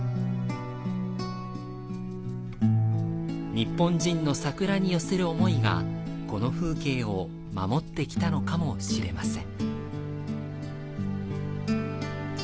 日本人の桜に寄せる想いが、この風景を守ってきたのかもしれません。